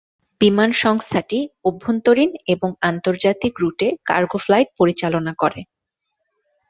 বিমান সংস্থাটি অভ্যন্তরীণ এবং আন্তর্জাতিক রুটে কার্গো ফ্লাইট পরিচালনা করে।